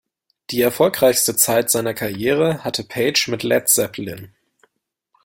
Die erfolgreichste Zeit seiner Karriere hatte Page mit Led Zeppelin.